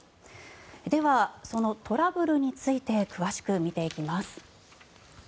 では、そのトラブルについて詳しく見ていきます。